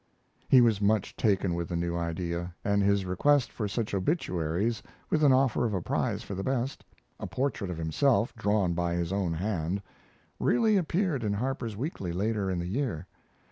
He was much taken with the new idea, and his request for such obituaries, with an offer of a prize for the best a portrait of himself drawn by his own hand really appeared in Harper's Weekly later in the year.